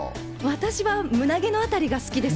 私は胸毛のあたりが好きです。